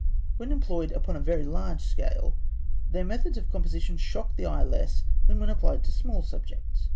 ] When employed upon a very large scale, their methods of composition shock the eye less than when applied to small subjects.